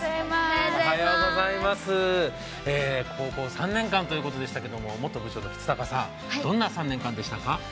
高校３年間ということですけど、元部長の橘高さん、どんな３年間でしたか？